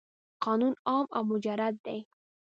قانون عام او مجرد دی.